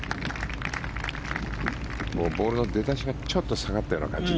ボールの出だしがちょっと下がっている感じ。